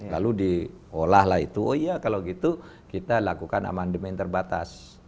lalu diolah itu oh iya kalau gitu kita lakukan amandemen terbatas